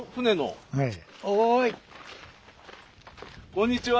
こんにちは。